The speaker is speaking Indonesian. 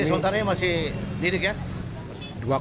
jadi sementara ini masih diduga ya